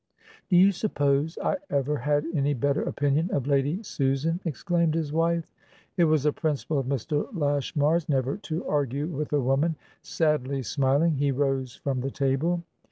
"Do you suppose I ever had any better opinion of Lady Susan?" exclaimed his wife. It was a principle of Mr. Lashmar's never to argue with a woman. Sadly smiling, he rose from the table.